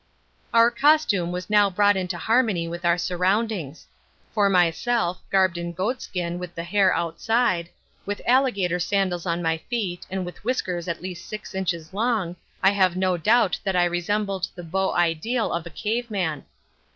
Our costume was now brought into harmony with our surroundings. For myself, garbed in goatskin with the hair outside, with alligator sandals on my feet and with whiskers at least six inches long, I have no doubt that I resembled the beau ideal of a cave man.